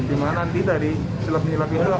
di mana nanti dari sulap sulap menjelang